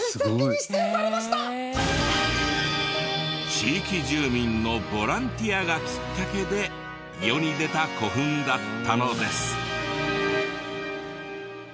地域住民のボランティアがきっかけで世に出た古墳だったのです。